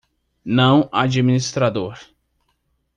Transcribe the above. Não administrador